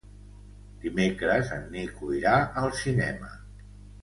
Dimecres en Nico irà al cinema.